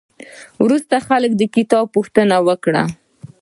وروسته خلکو د کتاب پوښتنه وکړه.